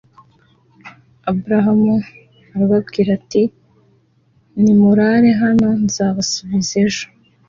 balamu arababwira ati nimurare hano, nzabasubiza ejo.